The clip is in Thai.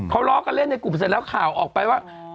เขาล้อกันเล่นในกลุ่มเสร็จแล้วข่าวออกไปว่า